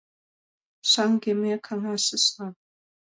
Шаҥге ме каҥашышна.